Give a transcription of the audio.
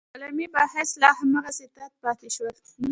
کلامي مباحث لا هماغسې تت پاتې شول.